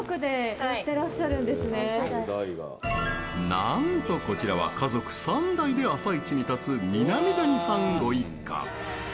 なんと、こちらは家族３代で朝市に立つ南谷さんご一家。